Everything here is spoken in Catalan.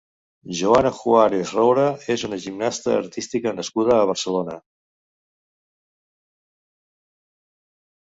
Joana Juárez Roura és una gimnasta artística nascuda a Barcelona.